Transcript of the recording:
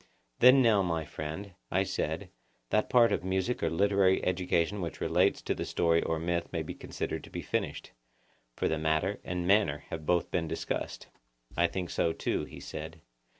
Then now, my friend, I said, that part of music or literary education which relates to the story or myth may be considered to be finished; for the matter and manner have both been discussed. I think so too, he said.